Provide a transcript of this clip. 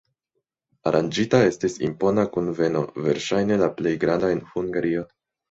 Aranĝita estis impona kunveno, verŝajne la plej granda en Hungario.